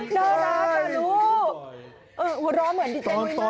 ใช่น่ารักอะลูก